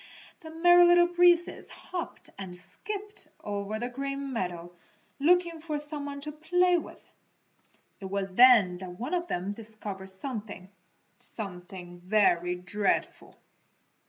The Merry Little Breezes hopped and skipped over the Green Meadows looking for some one to play with. It was then that one of them discovered something something very dreadful.